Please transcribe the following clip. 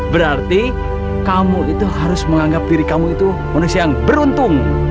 berarti kamu itu harus menganggap diri kamu itu manusia yang beruntung